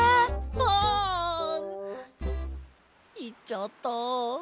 あ！いっちゃった。